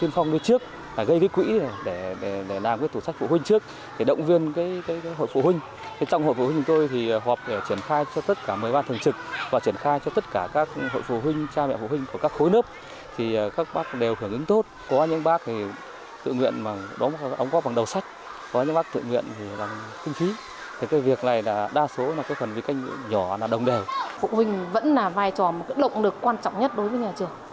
phụ huynh vẫn là vai trò một cái động lực quan trọng nhất đối với nhà trường